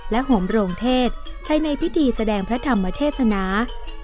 หอมโรงเทศใช้ในพิธีแสดงพระธรรมเทศนา